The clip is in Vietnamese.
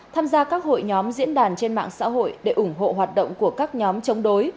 tham gia các hội nhóm diễn đàn trên mạng xã hội để ủng hộ hoạt động của các nhóm chống đối